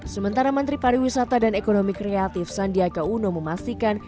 sementara menteri pariwisata dan ekonomi kreatif sandiaga uno memastikan